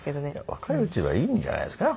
若いうちはいいんじゃないですか？